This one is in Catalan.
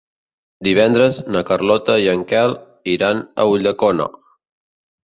Divendres na Carlota i en Quel iran a Ulldecona.